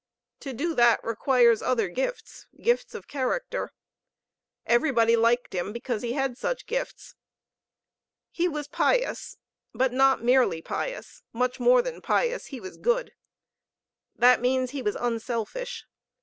To do that requires other gifts, gifts of character. Everybody liked him, because he had such gifts. He was pious, but not merely pious; much more than pious, he was good. That means he was unselfish.